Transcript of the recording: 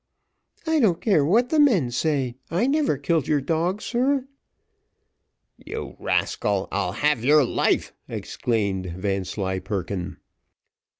"I don't care what the men say; I never killed your dog, sir." "You rascal, I'll have your life!" exclaimed Vanslyperken.